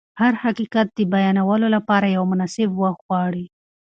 هر حقیقت د بیانولو لپاره یو مناسب وخت غواړي.